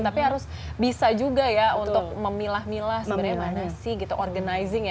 tapi harus bisa juga ya untuk memilah milah sebenarnya mana sih gitu organizing ya